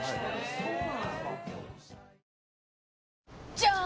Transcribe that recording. じゃーん！